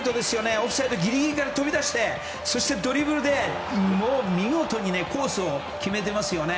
オフサイドギリギリから飛び出してドリブルで見事にコースを決めていますね。